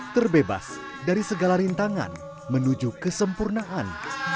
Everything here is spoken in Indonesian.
terbebas dari segala rintangan menuju kesempurnaan